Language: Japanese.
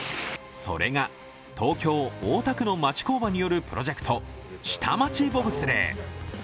それが東京・大田区の町工場によるプロジェクト、下町ボブスレー。